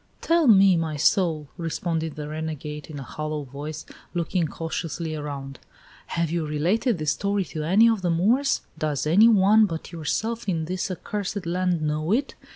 "Tell me, my soul," responded the renegade, in a hollow voice, looking cautiously around, "have you related this story to any of the Moors? Does any one but yourself in this accursed land know it?